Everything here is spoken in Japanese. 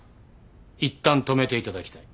いったん止めていただきたい。